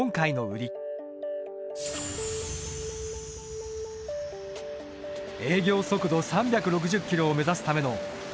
営業速度３６０キロを目指すためのもう一つの課題。